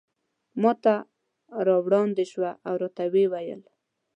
ماته را وړاندې شوه او راته ویې ویل.